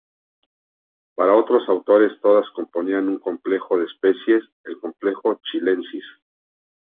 Para otros autores todas componían un complejo de especies, el "complejo chilensis".